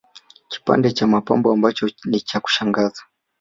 Kipande cha mapambo ambacho ni cha kushangaza